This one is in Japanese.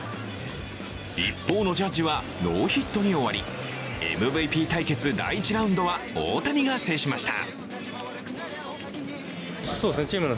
一方のジャッジはノーヒットに終わりＭＶＰ対決、第１ラウンドは大谷が制しました。